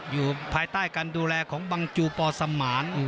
อยู่ภายใต้การดูแลของบังจูปอสมาน